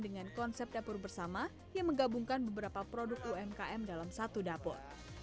dengan konsep dapur bersama yang menggabungkan beberapa produk umkm dalam satu dapur